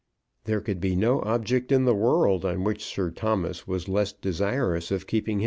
There could be no object in the world on which Sir Thomas was less desirous of keeping his eye.